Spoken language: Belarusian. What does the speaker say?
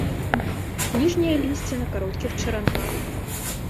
Ніжняе лісце на кароткіх чаранках.